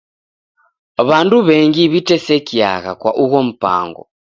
W'andu w'engi w'itesekiagha kwa ugho mpango.